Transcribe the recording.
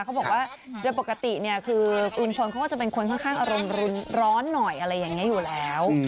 เขาบอกว่าโดยปกติเนี่ยคือลุงพลเขาก็จะเป็นคนค่อนข้างอารมณ์ร้อนหน่อยอะไรอย่างนี้อยู่แล้ว